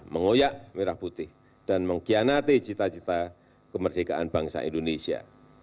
mengoyak merah putih dan mengkhianati cita cita kemerdekaan bangsa indonesia